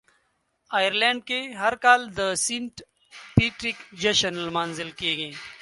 آیرلنډ کې هر کال د "سینټ پیټریک" جشن لمانځل کیږي.